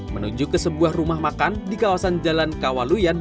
menuju ke sebuah rumah makan di kawasan jalan kawaluyan